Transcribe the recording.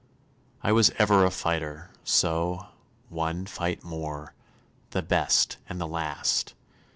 I was ever a fighter, so one fight more, The best and the last!